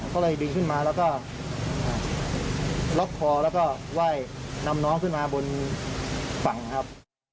ก็เลยดึงขึ้นมาแล้วก็ล็อกคอแล้วก็ไหว้นำน้องขึ้นมาบนฝั่งครับ